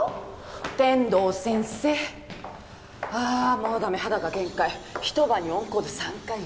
天堂先生ああもうダメ肌が限界一晩にオンコール３回よ